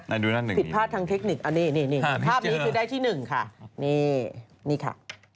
ผิดพลาดทางเทคนิคเอานี่ภาพนี้คือได้ที่๑ค่ะนี่ค่ะ